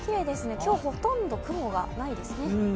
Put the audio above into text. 今日、ほとんど雲がないですね。